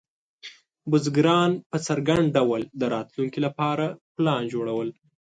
بزګران په څرګند ډول د راتلونکي لپاره پلان جوړول.